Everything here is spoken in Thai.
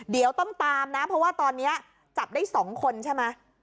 เดี๋ยวต้องตามนะเพราะว่าตอนนี้จับได้๒คนใช่ไหม